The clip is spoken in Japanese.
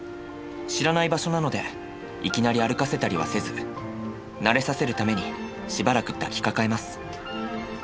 知らない場所なのでいきなり歩かせたりはせず慣れさせるためにしばらく抱きかかえます。